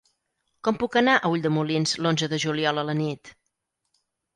Com puc anar a Ulldemolins l'onze de juliol a la nit?